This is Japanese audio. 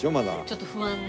ちょっと不安な。